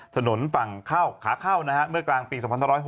ถนนฝั่งเข้าขาเข้าเมื่อกลางปี๒๖๖